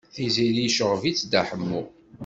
Tiziri yecɣeb-itt Dda Ḥemmu.